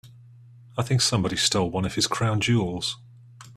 I think somebody stole one of his crown jewels.